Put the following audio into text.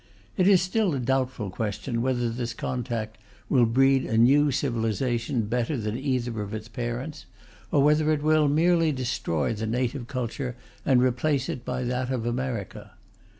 It is still a doubtful question whether this contact will breed a new civilization better than either of its parents, or whether it will merely destroy the native culture and replace it by that of America.